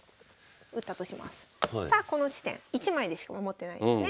さあこの地点１枚でしか守ってないですね。